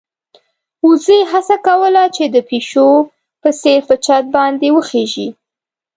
وزې هڅه کوله چې د پيشو په څېر په چت باندې وخېژي.